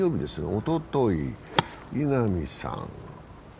おととい、稲見さん。